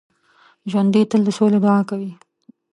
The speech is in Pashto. ژوندي تل د سولې دعا کوي